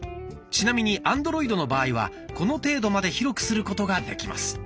ちなみにアンドロイドの場合はこの程度まで広くすることができます。